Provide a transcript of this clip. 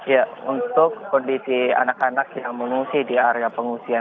ya untuk kondisi anak anak yang mengungsi di area pengungsian